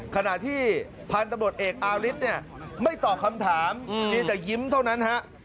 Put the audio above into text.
ขณะที่พันธุ์ตำรวจเอกอาริสเนี่ยไม่ตอบคำถามเพียงแต่ยิ้มเท่านั้นฮะ